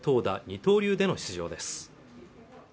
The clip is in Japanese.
二刀流での出場です